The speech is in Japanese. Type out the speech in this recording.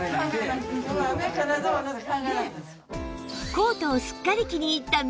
コートをすっかり気に入った御木さん